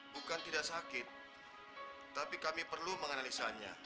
bukan tidak sakit tapi kami perlu menganalisanya